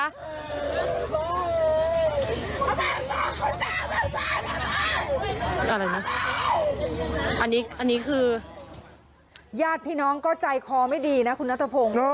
อันนี้คือญาติพี่น้องก็ใจคอไม่ดีนะคุณนัทพงศ์